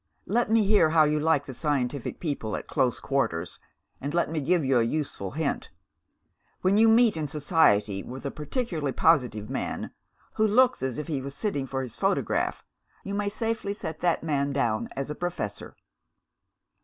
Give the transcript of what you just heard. Let me hear how you like the scientific people at close quarters, and let me give you a useful hint. When you meet in society with a particularly positive man, who looks as if he was sitting for his photograph, you may safely set that man down as a Professor.